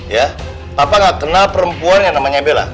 ya papa gak kenal perempuan namanya bella